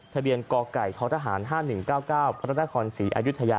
ทะเบียนกไก่ททหาร๕๑๙๙พระนครศรีอายุทยา